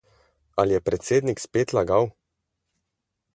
Ali je predsednik spet lagal?